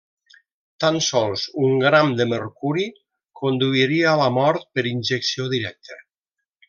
Tan sols un gram de mercuri conduiria a la mort per injecció directa.